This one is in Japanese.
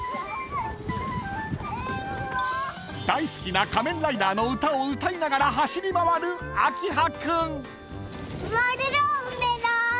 ［大好きな『仮面ライダー』の歌を歌いながら走り回る明波君］